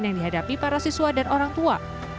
yang dihadapi para siswa dan orang tua